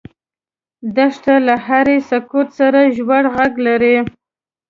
دښته له هرې سکوت سره ژور غږ لري.